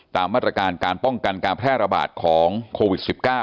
ตามให้ป้องกันการแพร่ระบาดของโควิด๑๙